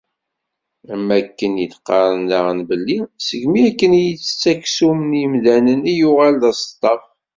Am akken i d-qqaṛen daɣen belli segmi akken i yetett aksum n yimdanen i yuɣal d aseṭṭaf.